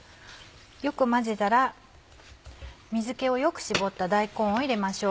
よく混ぜたら水気をよく絞った大根を入れましょう。